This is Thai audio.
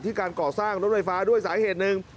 การก่อสร้างรถไฟฟ้าด้วยสาเหตุหนึ่ง